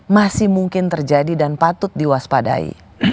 masih mungkin terjadi dan patut diwaspadai